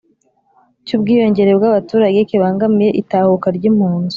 cy'ubwiyongere bw'abaturage kibangamiye itahuka ry'impunzi,